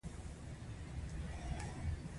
په دې پروسه کې عناصر په لابراتوار کې مطالعه کیږي.